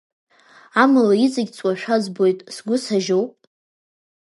Амала иҵегь ҵуашәа збоит, сгәы сажьоу?